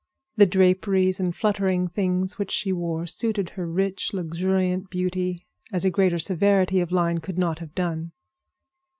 The draperies and fluttering things which she wore suited her rich, luxuriant beauty as a greater severity of line could not have done.